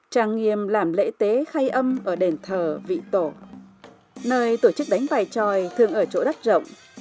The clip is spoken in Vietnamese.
tràng nghiêm làm lễ tế khai âm ở đền thờ vị tổ nơi tổ chức đánh bài tròi thường ở chỗ đất rộng